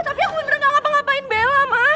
ma tapi aku bener bener nggak ngapa ngapain bella ma